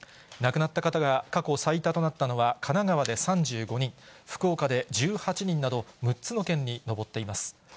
亡くなった方が過去最多となったのは、神奈川で３５人、福岡で１８人など、６つの県に上っています。